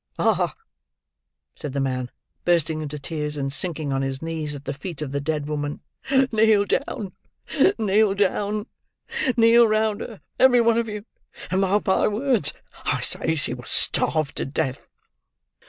"Ah!" said the man: bursting into tears, and sinking on his knees at the feet of the dead woman; "kneel down, kneel down—kneel round her, every one of you, and mark my words! I say she was starved to death.